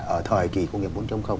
ở thời kỳ công nghiệp bốn